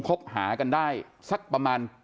คบหากันได้สักประมาณ